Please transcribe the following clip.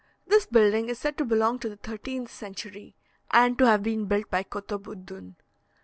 This building is said to belong to the thirteenth century, and to have been built by Kotab ud dun.